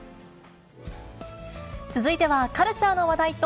続いてはカルチャーの話題と